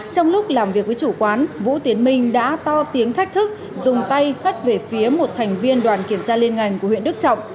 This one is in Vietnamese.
trong lúc làm việc với chủ quán vũ tiến minh đã to tiếng thách thức dùng tay khuất về phía một thành viên đoàn kiểm tra liên ngành của huyện đức trọng